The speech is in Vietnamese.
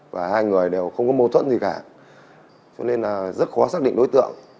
và hai người đều không có mâu thuẫn gì cả cho nên là rất khó xác định đối tượng